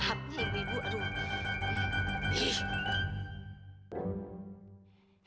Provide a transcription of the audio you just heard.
api ibu ibu aduh